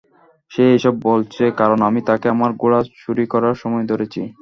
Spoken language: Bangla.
সে এসব বলছে কারন আমি তাকে আমার ঘোড়া চুরি করার সময় ধরেছি।